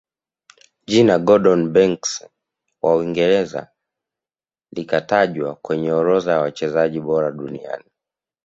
jina gordon banks wa Uingereza likatajwa kwenye orodha ya wachezaji bora duniani